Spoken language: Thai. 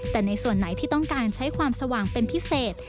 แต่ในส่วนไหนที่ต้องการใช้ความสว่างเป็นพิเศษ